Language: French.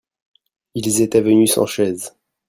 Ils étaient venus sans chaise